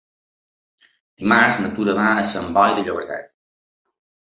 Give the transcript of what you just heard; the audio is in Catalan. Dimarts na Tura va a Sant Boi de Llobregat.